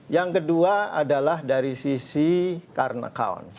yang kedua adalah dari sisi carn account